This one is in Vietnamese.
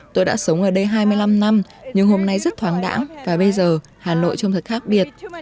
tôi đã sống ở đây hai mươi năm năm nhưng hôm nay rất thoáng đẳng và bây giờ hà nội trông thật khác biệt